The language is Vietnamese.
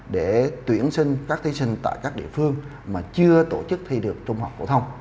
để tuyển sinh các thí sinh tại các địa phương mà chưa tổ chức thi được trung học phổ thông